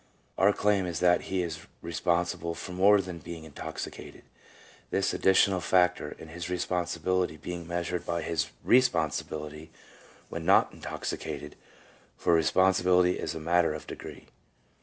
2 Our claim is that he is responsible for more than being intoxicated, this additional factor in his responsibility being measured by his responsibility when not intoxi cated, for responsibility is a matter of degree.